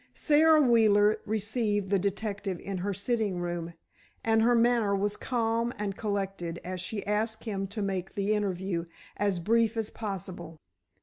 Sara Wheeler received the detective in her sitting room, and her manner was calm and collected as she asked him to make the interview as brief as possible.